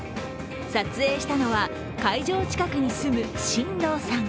撮影したのは会場近くに住む進藤さん。